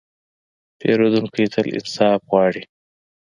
پیرودونکی تل انصاف غواړي.